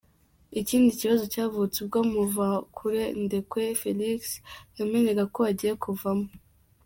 Ikindi kibazo cyavutse ubwo Muvakure Ndekwe Felix yamenyaga ko agiye kuvamo.